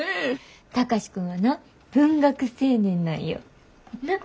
貴司君はな文学青年なんよ。なぁ？